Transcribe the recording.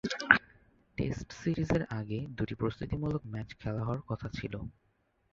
Test সিরিজের আগে দুটি প্রস্তুতিমূলক ম্যাচ খেলা হওয়ার কথা ছিল।